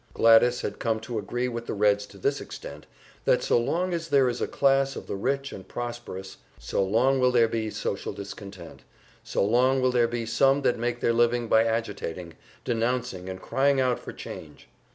Gladys had come to agree with the Reds to this extent, that so long as there is a class of the rich and prosperous, so long will there be social discontent, so long will there be some that make their living by agitating, denouncing and crying out for change.